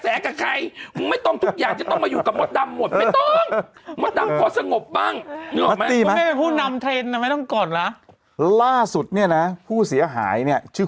แตะใส่ไม่ต้องอยู่ข้อสงบบ้างผู้นำเทนท์แล้วล่าสุดเนี่ยนะผู้เสียหายเนี่ยชื่อ